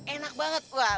enak banget fah